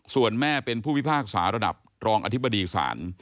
ส่วนแม่เป็นผู้พิพากษาระดับรองอธิบดีศาล